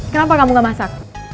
kenapa kamu gak masak